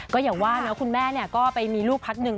ก็อย่างว่านะคุณแม่ก็ไปมีลูกพักหนึ่ง